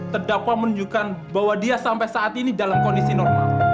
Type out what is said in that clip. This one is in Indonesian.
terdakwa menunjukkan bahwa dia sampai saat ini dalam kondisi normal